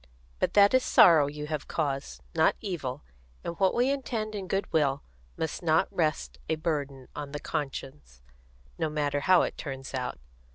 But that is sorrow you have caused, not evil; and what we intend in goodwill must not rest a burden on the conscience, no matter how it turns out.